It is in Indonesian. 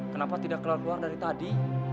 kenapa tidak keluar dari tadi